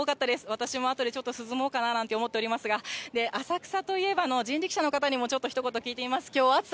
私もあとでちょっと涼もうかななんて思っておりますが、浅草といえば、人力車の方にもちょっとひと言聞いてみます。